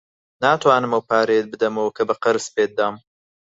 ناتوانم ئەو پارەیەت بدەمەوە کە بە قەرز پێت دام.